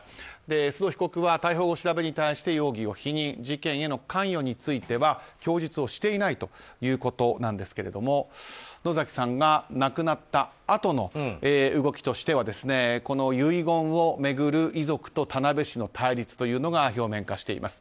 須藤被告は逮捕後、調べに対して容疑を否認事件への関与については供述をしていないということですが野崎さんが亡くなったあとの動きとしては遺言を巡る遺族と田辺市の対立というのが表面化しています。